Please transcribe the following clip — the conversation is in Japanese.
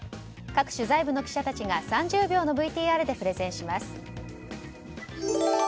各取材部の記者たちが３０秒のＶＴＲでプレゼンします。